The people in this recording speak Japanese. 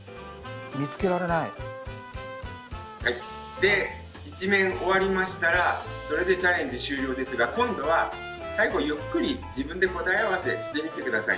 で１面終わりましたらそれでチャレンジ終了ですが今度は最後ゆっくり自分で答え合わせしてみて下さい。